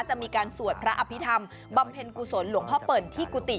จะมีการสวดพระอภิษฐรรมบำเพ็ญกุศลหลวงพ่อเปิ่นที่กุฏิ